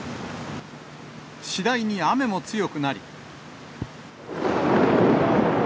次第に雨も強くなり。